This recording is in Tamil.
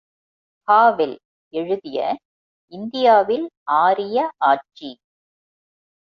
ஹாவெல் எழுதிய இந்தியாவில் ஆரிய ஆட்சி.